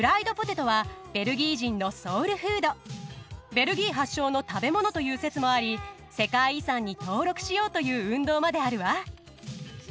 ベルギー発祥の食べ物という説もあり世界遺産に登録しようという運動まであるわ。